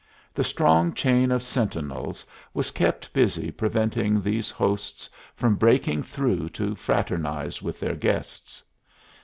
The strong chain of sentinels was kept busy preventing these hosts from breaking through to fraternize with their guests.